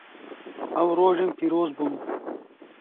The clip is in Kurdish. Ew rojên pîroz bûn.